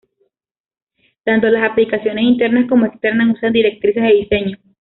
Tanto las aplicaciones internas como externas usan directrices de diseño.